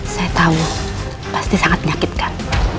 saya tahu pasti sangat menyakitkan